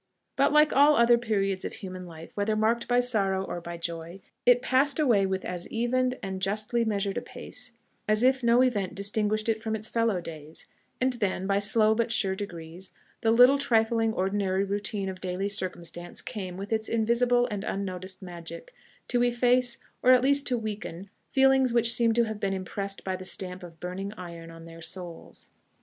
But, like all other periods of human life, whether marked by sorrow or by joy, it passed away with as even and justly measured a pace as if no event distinguished it from its fellow days; and then, by slow but sure degrees, the little trifling ordinary routine of daily circumstance came with its invisible and unnoticed magic, to efface, or at least to weaken, feelings which seemed to have been impressed by the stamp of burning iron on their souls.